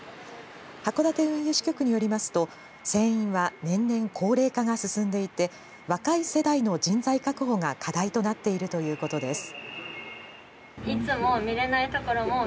函館運輸支局によりますと船員は年々、高齢化が進んでいて若い世代の人材確保が課題となっているということです。